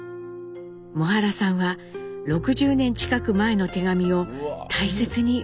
母原さんは６０年近く前の手紙を大切に保管していました。